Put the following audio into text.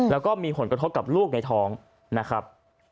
แล้วก็มีผลกระทบกับลูกในท้องนะครับ